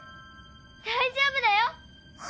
大丈夫だよ！